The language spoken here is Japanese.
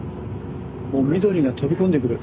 もう緑が飛び込んでくる。